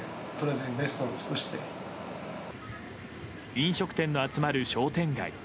飲食店の集まる商店街。